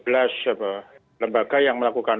lembaga yang melakukan